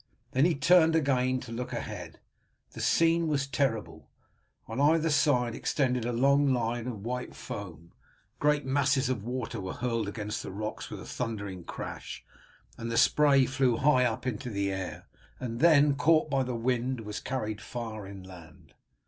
Then he turned again to look ahead. The scene was terrible. On either side extended a long line of white foam. Great masses of water were hurled against the rocks with a thundering crash, and the spray flew high up into the air, and then, caught by the wind, was carried far inland.